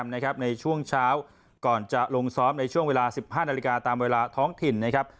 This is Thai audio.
ในช่วงเช้าก่อนจะลงซ้อมในช่วงเวลา๑๕นาฬิกาตามเวลาท้องถิ่นนะครับ